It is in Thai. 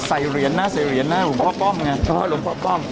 ใส่เหรียญน่ะใส่เหรียญน่ะหุ่นพ่อป้อมไงหุ่นพ่อป้อม